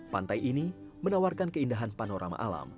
pantai ini menawarkan keindahan panorama alam